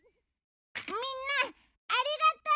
みんなありがとう！